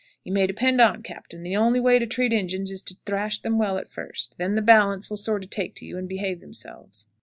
You may depend on't, Cap., the only way to treat Injuns is to thrash them well at first, then the balance will sorter take to you and behave themselves."